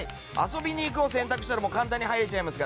遊びに行くを選択したら簡単に入れます。